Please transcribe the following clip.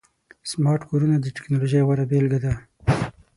سمارټ کورونه د ټکنالوژۍ غوره بيلګه ده.